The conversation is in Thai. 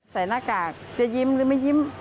ใส่หน้ากากจะยิ้มหรือไม่ยิ้ม